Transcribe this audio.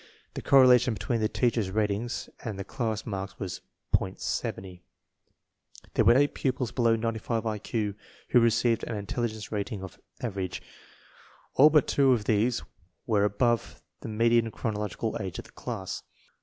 The correlation between the teachers' ratings and the class marks was .70. There were eight pupils below 95 I Q who received an intelligence rating of "average." All but two of these were above the me dian chronological age of the class.